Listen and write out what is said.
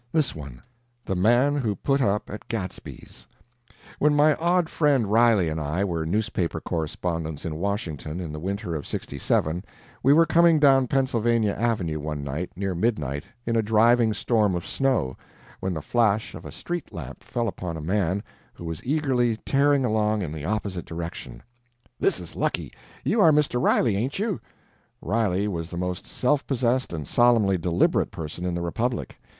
This one: THE MAN WHO PUT UP AT GADSBY'S When my odd friend Riley and I were newspaper correspondents in Washington, in the winter of '67, we were coming down Pennsylvania Avenue one night, near midnight, in a driving storm of snow, when the flash of a street lamp fell upon a man who was eagerly tearing along in the opposite direction. "This is lucky! You are Mr. Riley, ain't you?" Riley was the most self possessed and solemnly deliberate person in the republic.